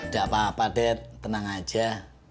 gak apa apa deh tenang aja